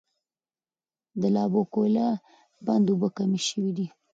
د لابوکویلا بند اوبه کمې شوي دي.